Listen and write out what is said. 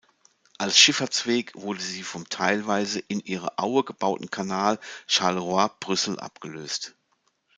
Als Schifffahrtsweg wurde sie vom teilweise in ihre Aue gebauten Kanal Charleroi-Brüssel abgelöst.